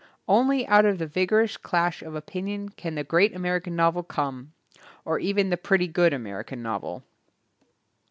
Only out of the vigorous clash of opinion can the great American novel come, or even the pretty good American novel.